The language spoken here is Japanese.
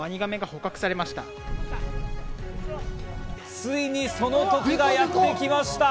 ついにその時がやってきました！